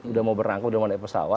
udah mau berangkuk udah mau naik pesawat